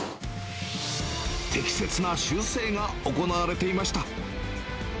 適切な修正が行われていました。